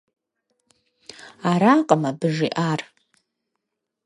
Аракъым абы жиӏар.